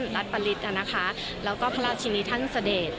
รัฐปริศแล้วก็พระราชินีท่านเสด็จ